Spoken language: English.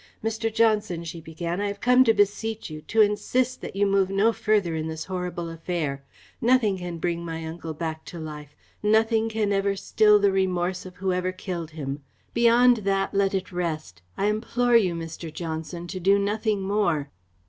"Mr. Johnson," she began, "I have come to beseech you, to insist that you move no further in this horrible affair. Nothing can bring my uncle back to life; nothing can ever still the remorse of whoever killed him. Beyond that, let it rest. I implore you, Mr. Johnson, to do nothing more."